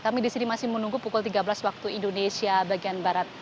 kami di sini masih menunggu pukul tiga belas waktu indonesia bagian barat